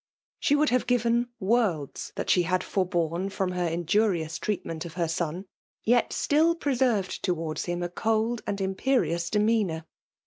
She would have given worlds that she had forborne from her injurious treatment of her son ; yet still preserved towards him a cold and imperious demeanour.